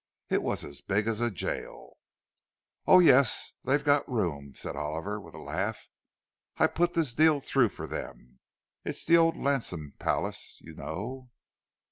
It was as big as a jail! "Oh, yes, they've got room enough," said Oliver, with a laugh. "I put this deal through for them—it's the old Lamson palace, you know."